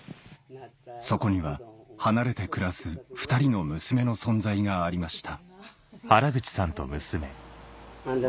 そこには離れて暮らす２人の娘の存在がありました